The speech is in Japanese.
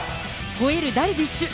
吠えるダルビッシュ。